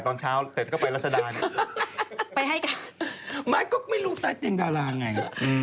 น้องไอเดียเนี่ย